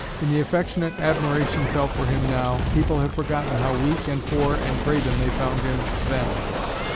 In the affectionate admiration felt for him now, people have forgotten how weak and poor and craven they found him then.